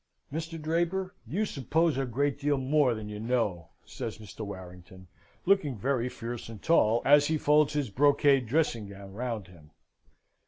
"Mr. Draper, you suppose a great deal more than you know," says Mr. Warrington, looking very fierce and tall, as he folds his brocade dressing gown round him.